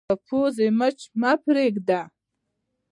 په پوزې مچ مه پرېږده